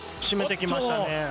締めてきましたね。